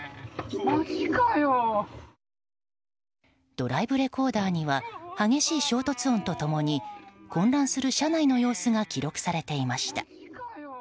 ドライブレコーダーには激しい衝突音と共に混乱する車内の様子が記録されていました。